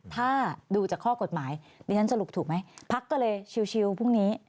ถ้าดูจากข้อกฎหมายดิฉันสรุปถูกไหมพักก็เลยชิวพรุ่งนี้